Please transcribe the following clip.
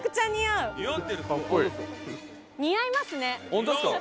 ホントですか？